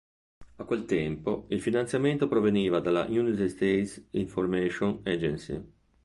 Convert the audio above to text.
A quel tempo il finanziamento proveniva dalla United States Information Agency.